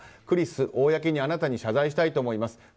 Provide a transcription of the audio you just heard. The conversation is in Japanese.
クリス、公にあなたに謝罪したいと思います。